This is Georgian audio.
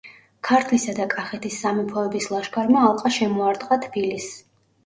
ქართლისა და კახეთის სამეფოების ლაშქარმა ალყა შემოარტყა თბილისს.